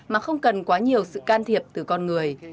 mà không cần quá nhiều sự can thiệp từ con người